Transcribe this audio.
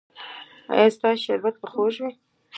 ایا ستاسو شربت به خوږ وي؟